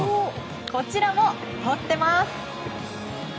こちらもとってます。